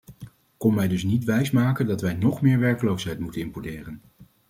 Kom mij dus niet wijsmaken dat wij nog meer werkloosheid moeten importeren.